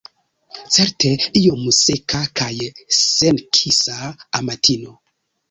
Certe iom seka kaj senkisa amatino.